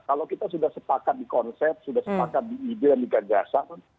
kalau kita sudah sepakat di konsep sudah sepakat di ide dan di gagasan